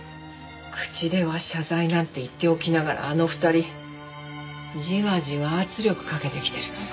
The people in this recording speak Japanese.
口では謝罪なんて言っておきながらあの２人ジワジワ圧力かけてきてるのよ。